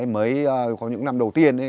mấy có những năm đầu tiên